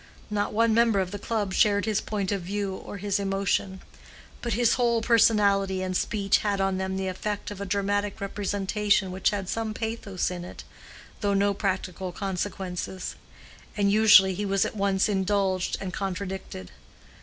Not one member of the club shared his point of view or his emotion; but his whole personality and speech had on them the effect of a dramatic representation which had some pathos in it, though no practical consequences; and usually he was at once indulged and contradicted.